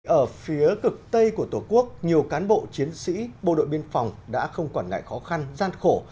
ở phía cực tây của tổ quốc nhiều cán bộ chiến sĩ bộ đội biên phòng đã không quản ngại khó khăn gian khổ